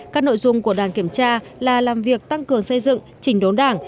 các nội dung của đoàn kiểm tra là làm việc tăng cường xây dựng chỉnh đốn đảng